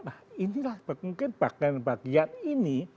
nah inilah mungkin bagian bagian ini